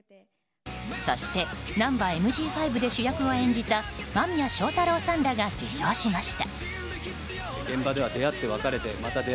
そして「ナンバＭＧ５」で主役を演じた間宮祥太朗さんらが受賞しました。